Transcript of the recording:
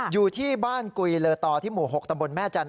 อยู่ที่บ้านกุยเลอตอที่หมู่๖ตำบลแม่จันทร์